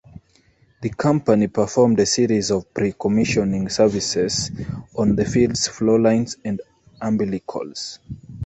The company performed a series of pre-commissioning services on the field's flowlines and umbilicals.